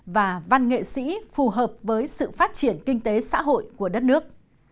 và văn nghệ sĩ phù hợp với sự phát triển kinh tế xã hội của đất nước